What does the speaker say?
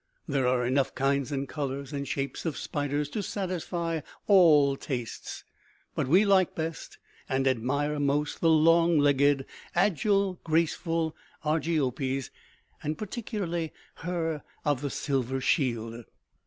There are enough kinds and colors and shapes of spiders to satisfy all tastes. But we like best and admire most the long legged, agile, graceful Argiopes, and particularly her of the silver shield.